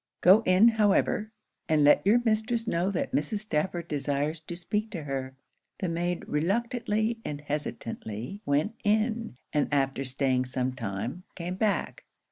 'Go in, however, and let your mistress know that Mrs. Stafford desires to speak to her.' The maid reluctantly and hesitatingly went in, and after staying some time, came back.